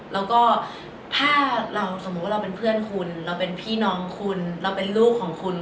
แล้วก็ถ้าเราสมมุติว่าเราเป็นเพื่อนคุณเราเป็นพี่น้องคุณเราเป็นลูกของคุณ